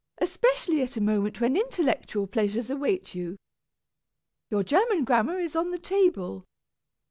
Especially at a moment when intellectual pleasures await you. Your German grammar is on the table.